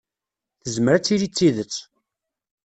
Tezmer ad tili d tidet.